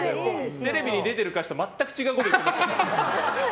テレビに出てる歌詞と全く違うこと言ってました。